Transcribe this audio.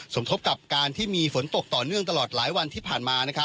สมทบกับการที่มีฝนตกต่อเนื่องตลอดหลายวันที่ผ่านมา